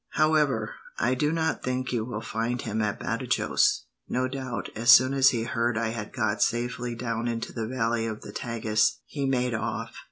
"However, I do not think you will find him at Badajos. No doubt, as soon as he heard I had got safely down into the valley of the Tagus, he made off.